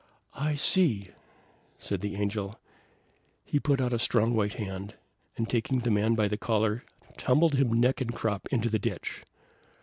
"I see!" said the Angel. He put out a strong white hand, and taking the man by the collar, tumbled him neck and crop into the ditch.